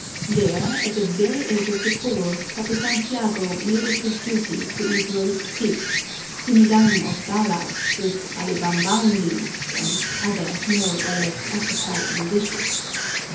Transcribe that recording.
There at the very edge of the pool Capitan Tiago made it his duty to eat roast pig, sinigang of dalag with alibambang leaves, and other more or less appetizing dishes.